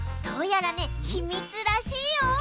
どうやらねひみつらしいよ。